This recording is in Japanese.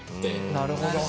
なるほど。